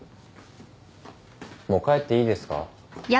もう帰っていいですか？